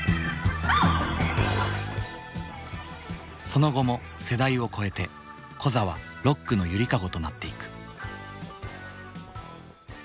その後も世代を超えてコザはロックの揺りかごとなっていく。